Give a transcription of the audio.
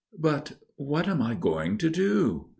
"But what am I going to do?"